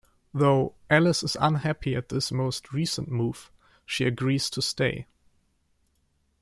Though Alice is unhappy at this most recent move, she agrees to stay.